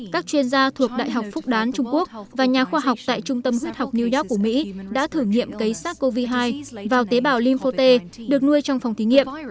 các chuyên gia thuộc đại học phúc đán trung quốc và nhà khoa học tại trung tâm huyết học new york của mỹ đã thử nghiệm cấy sars cov hai vào tế bào lympho t được nuôi trong phòng thí nghiệm